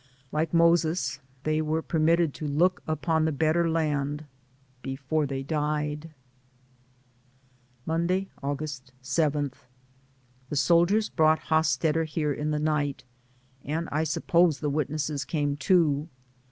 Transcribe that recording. Like Moses, they were permitted to look upon the better land before they died. Monday, August 7. The soldiers brought Hosstetter here in the night, and I suppose the witnesses came too.